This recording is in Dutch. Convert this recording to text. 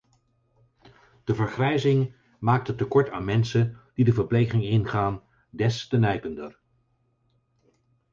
De vergrijzing maakt het tekort aan mensen die de verpleging ingaan des te nijpender.